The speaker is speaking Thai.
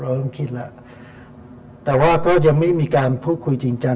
เราต้องคิดแล้วแต่ว่าก็ยังไม่มีการพูดคุยจริงจัง